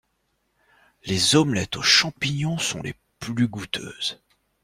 Les omelettes aux champignons sont les plus goûteuses.